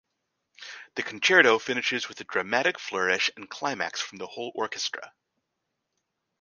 The concerto finishes with a dramatic flourish and climax from the whole orchestra.